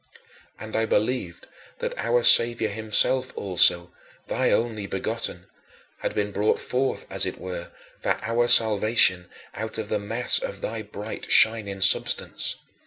And I believed that our Saviour himself also thy Only Begotten had been brought forth, as it were, for our salvation out of the mass of thy bright shining substance.